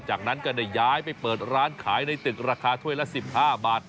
จากนั้นก็ได้ย้ายไปเปิดร้านขายในตึกราคาถ้วยละ๑๕บาท